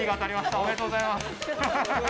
おめでとうございます！